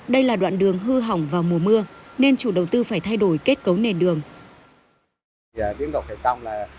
đây là đoạn đường hư hỏng vào mùa mưa nên chủ đầu tư phải thay đổi kết cấu nền đường